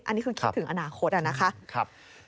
อันนี้คือคิดถึงอนาคตนะคะ